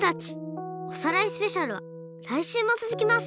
「おさらいスペシャル」はらいしゅうもつづきます！